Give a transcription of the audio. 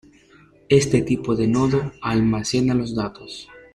Este tipo de nodo almacena los datos.